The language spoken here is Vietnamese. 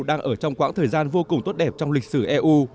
đang ở trong quãng thời gian vô cùng tốt đẹp trong lịch sử eu